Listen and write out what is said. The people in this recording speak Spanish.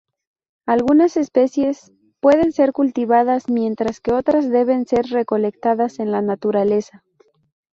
Algunas especies pueden ser cultivadas, mientras que otras deben ser recolectadas en la naturaleza.